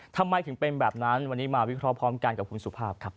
ทำไมถึงเป็นแบบนั้นวันนี้มาวิเคราะห์พร้อมกันกับคุณสุภาพครับ